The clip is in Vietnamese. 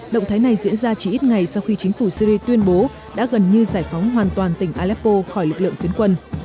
động thái này diễn ra chỉ ít ngày sau khi chính phủ syri tuyên bố đã gần như giải phóng hoàn toàn tỉnh aleppo khỏi lực lượng phiến quân